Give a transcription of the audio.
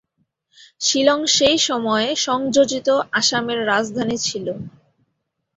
শিলং সেই সময়ে সংযোজিত আসামের রাজধানী ছিল।